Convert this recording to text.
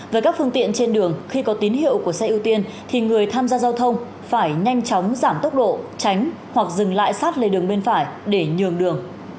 với các phương tiện trên đường khi có tín hiệu của xe ưu tiên thì người tham gia giao thông phải nhanh chóng giảm tốc độ tránh hoặc dừng lại sát lề đường bên phải để nhường đường